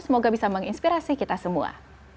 semoga bisa menginspirasi kita semua